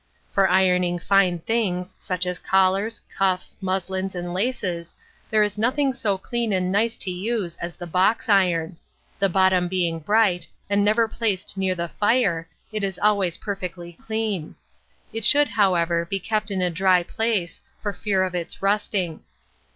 For ironing fine things, such as collars, cuffs, muslins, and laces, there is nothing so clean and nice to use as the box iron; the bottom being bright, and never placed near the fire, it is always perfectly clean; it should, however, be kept in a dry place, for fear of its rusting.